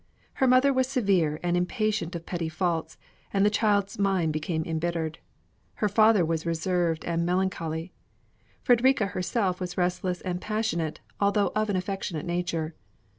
Her mother was severe and impatient of petty faults, and the child's mind became embittered. Her father was reserved and melancholy. Fredrika herself was restless and passionate, although of an affectionate nature.